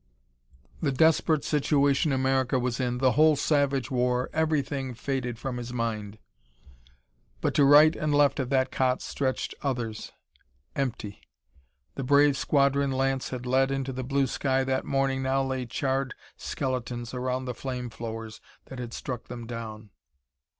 The desperate situation America was in, the whole savage war everything, faded from his mind. But to right and left of that cot stretched others empty. The brave squadron Lance had led into the blue sky that morning now lay charred skeletons around the flame throwers that had struck them down.